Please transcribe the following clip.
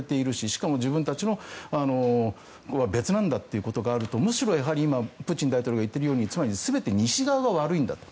しかも自分たちとは別なんだということがあるとむしろ今、プーチン大統領が言っているようにつまり、全て西側が悪いんだと。